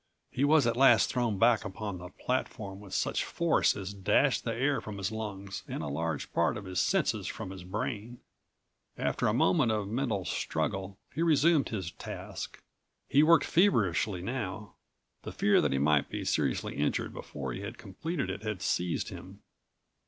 He was at last thrown back upon the platform with such force as dashed the air from his lungs and a large part of his senses from his brain. After a moment of mental struggle he resumed his task. He worked feverishly now. The fear that he might be seriously injured before he had completed it had seized him.